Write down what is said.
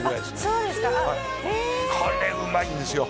そうですかへえはいこれうまいんですよ